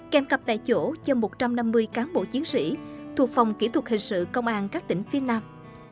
kèm cặp tại chỗ cho một trăm năm mươi cán bộ chiến sĩ thuộc phòng kỹ thuật hình sự công an các tỉnh phía nam